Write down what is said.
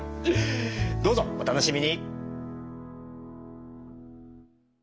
どうぞお楽しみに。